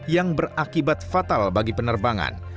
yang berakibat fatal bagi penerbangan